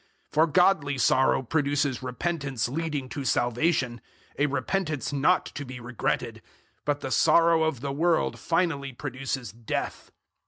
007:010 For godly sorrow produces repentance leading to salvation, a repentance not to be regretted; but the sorrow of the world finally produces death.